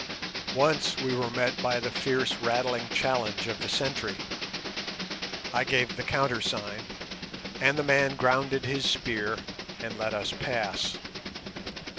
Once we were met by the fierce rattling challenge of the sentry. I gave the countersign, and the man grounded his spear and let us pass.